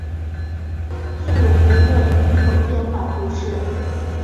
索泽勒人口变化图示